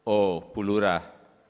oh bu lurah